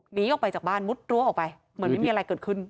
หนีออกไปจากบ้านมุดรั้วออกไปเหมือนไม่มีอะไรเกิดขึ้น